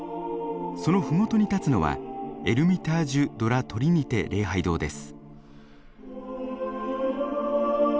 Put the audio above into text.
その麓に立つのはエルミタージュ・ド・ラ・トリニテ礼拝堂です。